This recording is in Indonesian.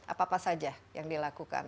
apa apa saja yang dilakukan